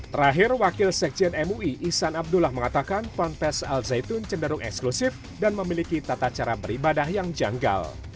terakhir wakil sekjen mui ihsan abdullah mengatakan ponpes al zaitun cenderung eksklusif dan memiliki tata cara beribadah yang janggal